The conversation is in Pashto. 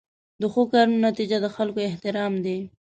د ښو کارونو نتیجه د خلکو احترام دی.